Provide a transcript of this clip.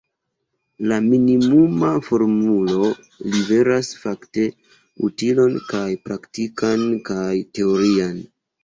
La minimuma formulo liveras, fakte, utilon kaj praktikan kaj teorian.